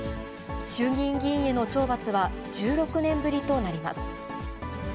衆議院議員への懲罰は１６年ぶりとなります。